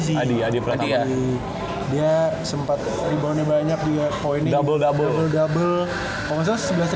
sih dia sempat riba banyak juga poin double double sebelas dua belas